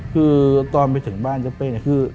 คือตอนไปถึงบ้านเจ้าเป้เนี่ยคือ